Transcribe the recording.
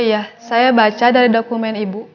iya saya baca dari dokumen ibu